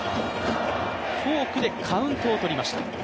フォークでカウントをとりました。